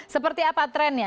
seperti apa trendnya